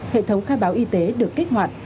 hệ thống khai báo y tế được kích hoạt